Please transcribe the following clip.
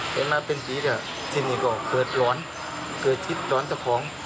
เห็นมาเป็นปีเดี๋ยวที่นี่ก็เกิดร้อนเกิดทิศร้อนตะของ